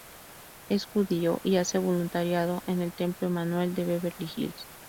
Es Judío y hace voluntariado en el Templo Emanuel de Beverly Hills.